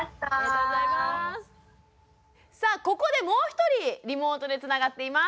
さあここでもう一人リモートでつながっています。